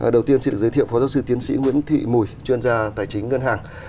đầu tiên xin được giới thiệu phó giáo sư tiến sĩ nguyễn thị mùi chuyên gia tài chính ngân hàng